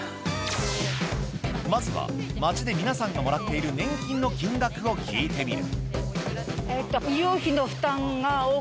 まずは街で皆さんがもらっている年金の金額を聞いてみる。